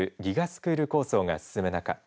スクール構想が進む中